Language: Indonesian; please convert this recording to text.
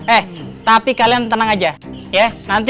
eh tapi kalian tenang aja